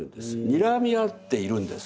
にらみ合っているんです。